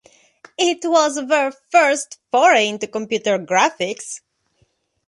It was their first foray into computer graphics.